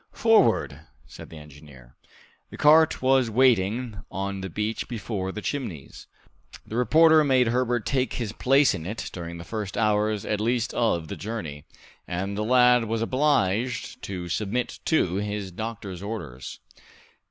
"Forward!" said the engineer. The cart was waiting on the beach before the Chimneys. The reporter made Herbert take his place in it during the first hours at least of the journey, and the lad was obliged to submit to his doctor's orders.